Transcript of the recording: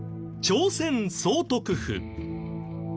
朝鮮総督府。